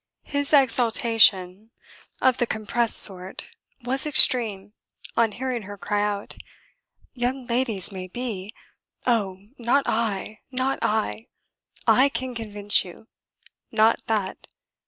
His exultation, of the compressed sort, was extreme, on hearing her cry out: "Young ladies may be. Oh! not I, not I. I can convince you. Not that.